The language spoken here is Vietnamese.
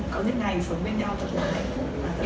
có những ngày sống bên nhau thật là hạnh phúc